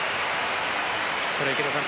これ、池田さん